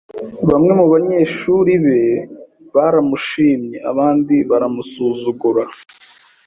Bamwe mu banyeshuri be baramushimye, abandi baramusuzugura.